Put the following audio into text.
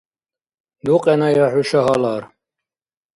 Дукьеная хӀуша гьалар.